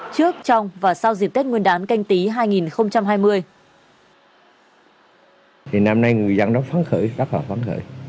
trước trong và sau dịp tết nguyên đán canh tí hai nghìn hai mươi